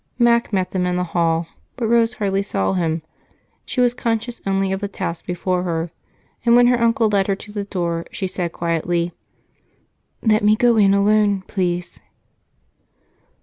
Mac met them in the hall, but Rose hardly saw him. She was conscious only of the task before her and, when her uncle led her to the door, she said quietly, "Let me go in alone, please."